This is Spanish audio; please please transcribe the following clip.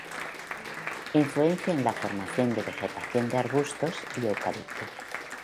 Influencia en la formación de vegetación de arbustos y eucalipto.